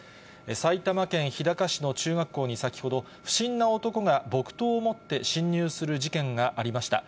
埼玉県日高市の中学校に、先ほど、不審な男が木刀を持って侵入する事件がありました。